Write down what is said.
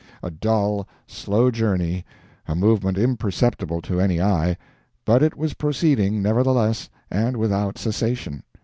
A dull, slow journey a movement imperceptible to any eye but it was proceeding, nevertheless, and without cessation.